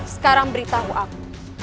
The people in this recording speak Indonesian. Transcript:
sekarang beritahu aku